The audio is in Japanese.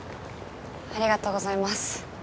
ありがとうございます。